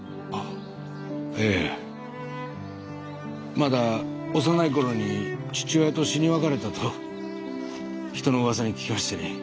まだ幼い頃に父親と死に別れたと人の噂に聞きましてね。